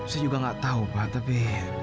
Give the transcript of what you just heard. saya juga nggak tahu pak tapi